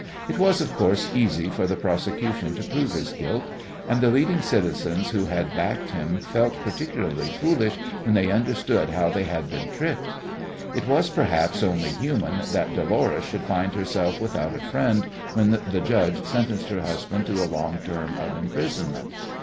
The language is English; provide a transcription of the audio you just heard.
It was, of course, easy for the prosecution to prove his guilt, and the leading citizens who had backed him felt particularly foolish when they understood how they had been tricked. It was, perhaps, only human that Dolores should find herself without a friend when the judge sentenced her husband to a long term of imprisonment.